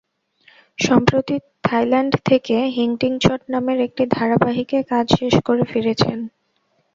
সম্প্রতি থাইল্যান্ড থেকে হিংটিংছট নামের একটি ধারাবাহিকে কাজ শেষ করে ফিরেছেন।